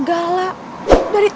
biar aku beli dulu